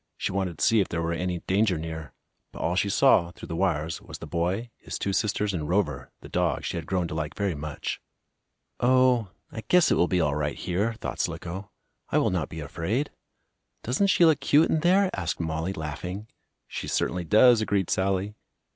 She wanted to see if there were any danger near. But all she saw, through the wires, was the boy, his two sisters and Rover, the dog she had grown to like very much. "Oh, I guess it will be all right here," thought Slicko. "I will not be afraid." "Doesn't she look cute in there?" asked Mollie, laughing. "She certainly does," agreed Sallie.